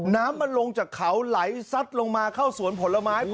น้ำมันลงจากเขาไหลซัดลงมาเข้าสวนผลไม้